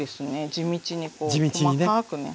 地道に細かくね。